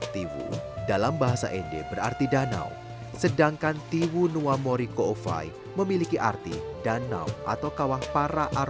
tiwu dalam bahasa ende berarti danau sedangkan tiwunuamurikoowai memiliki arti danau atau kawah para arwah pemuda dan gadis